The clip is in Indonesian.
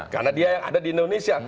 karena dia yang ada di indonesia